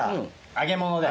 揚げ物で。